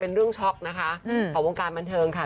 เป็นเรื่องช็อกนะคะของวงการบันเทิงค่ะ